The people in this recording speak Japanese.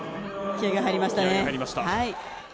気合いが入りました。